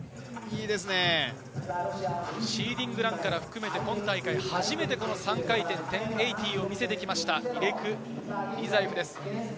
シーディングランから含めて、今大会初めて３回転の１０８０を見せてきました、イレク・リザエフです。